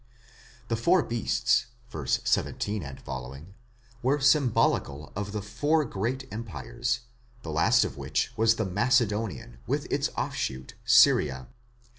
The four beasts (v. 17 ff.) were symbolical of the four great empires, the last of which was the Macedonian, with its offshoot, Syria.